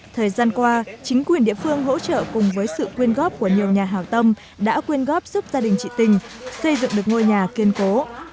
thời gian qua chính quyền địa phương hỗ trợ cùng với sự quyên góp của nhiều nhà hào tâm đã quyên góp giúp gia đình chị tình xây dựng được ngôi nhà kiên cố